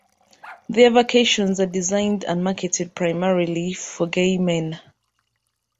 Their vacations are designed and marketed primarily for gay men.